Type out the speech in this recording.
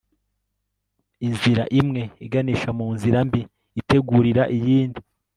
Inzira imwe iganisha mu nzira mbi itegurira iyindi